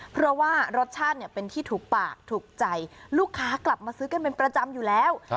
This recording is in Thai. เพราะว่ารสชาติเป็นที่ถูกปากถูกใจลูกค้ากลับมาซื้อกันเป็นประจำอยู่แล้ว